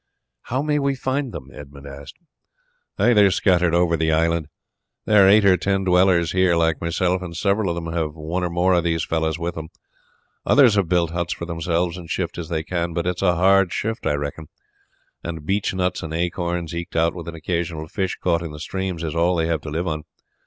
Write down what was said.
"How may we find them?" Edmund asked. "They are scattered over the island. There are eight or ten dwellers here like myself, and several of them have one or more of these fellows with them; others have built huts for themselves and shift as they can; but it is a hard shift, I reckon, and beech nuts and acorns, eked out with an occasional fish caught in the streams, is all they have to live upon.